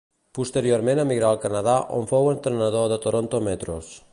Posteriorment emigrà al Canadà on fou entrenador de Toronto Metros.